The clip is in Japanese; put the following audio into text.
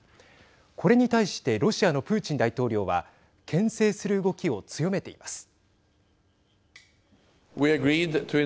これに対してロシアのプーチン大統領はけん制する動きを強めています。